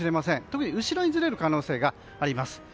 特に後ろにずれる可能性があります。